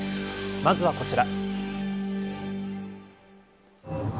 まずはこちら。